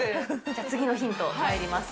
次のヒントまいります。